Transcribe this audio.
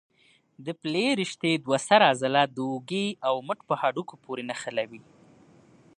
د پلې رشتې دوه سره عضله د اوږې او مټ په هډوکو پورې نښلوي.